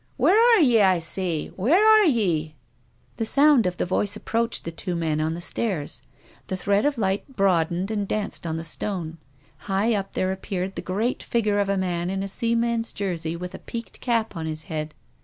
Where are ye, I say ? Where are ye ?" THE RAINBOW. IQ The sound of the voice approached the two men on the stairs. The thread of Hght broadened and danced on the stone. High up there appeared the great figure of a man in a seaman's jersey with a peaked cap on his head.